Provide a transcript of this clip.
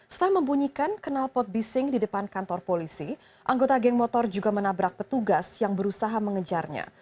setelah membunyikan kenalpot bising di depan kantor polisi anggota geng motor juga menabrak petugas yang berusaha mengejarnya